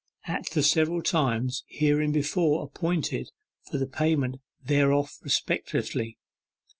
at the several times hereinbefore appointed for the payment thereof respectively.